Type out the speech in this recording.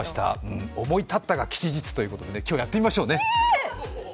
思い立ったが吉日ということでやってみましょうね。